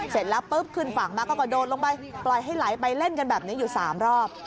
เสร็จแล้วปุ๊บขึ้นฝั่งมาก็กระโดดลงไปปล่อยให้ไหลไปเล่นกันแบบนี้อยู่๓รอบ